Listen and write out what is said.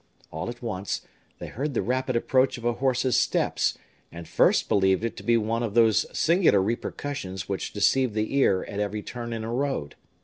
All at once they heard the rapid approach of a horse's steps, and first believed it to be one of those singular repercussions which deceive the ear at every turn in a road.